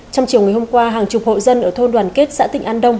trong chiều hôm qua hàng chục hộ dân ở thôn đoàn kết xã tịnh an đông